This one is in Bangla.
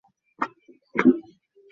সেটাই তোমার নির্ধারিত সময়রেখা।